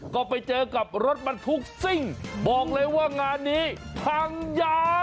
ก็ไปเจอกับรถบรรทุกซิ่งบอกเลยว่างานนี้พังยาว